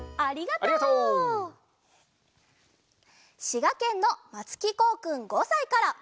しがけんのまつきこうくん５さいから。